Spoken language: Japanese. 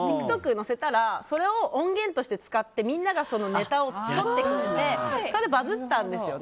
ＴｉｋＴｏｋに載せたらそれを音源として使ってみんながネタをやってくれてそれでバズったんですよ。